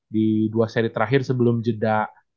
di dua seri terakhir sebelum jeda